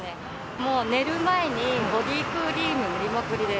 もう寝る前に、ボディークリーム塗りまくりです。